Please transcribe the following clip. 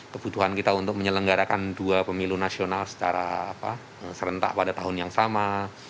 kebutuhan kita untuk menyelenggarakan dua pemilu nasional secara serentak pada tahun yang sama